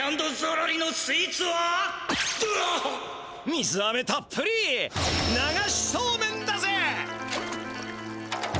水あめたっぷり流しそうめんだぜ！